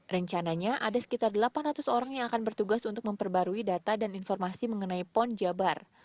rencananya ada sekitar delapan ratus orang yang akan bertugas untuk memperbarui data dan informasi mengenai pon jabar